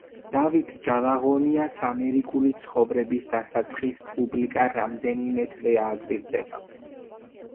დავით ჯალაღონიას ამერიკული ცხოვრების დასაწყისს პუბლიკა რამდენიმე თვეა აკვირდება.